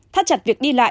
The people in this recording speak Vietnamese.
thắt chặt việc đi lâu